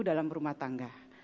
dalam rumah tangga